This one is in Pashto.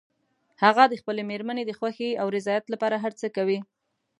هغه د خپلې مېرمنې د خوښې او رضایت لپاره هر څه کوي